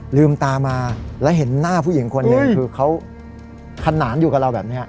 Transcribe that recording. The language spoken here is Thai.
หลืมตามาแล้วเห็นหน้าผู้หญิงคนนานอยู่กับเราแบบนี้